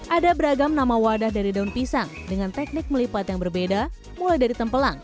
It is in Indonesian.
ada beragam nama wadah dari daun pisang dengan teknik melipat yang berbeda mulai dari tempelang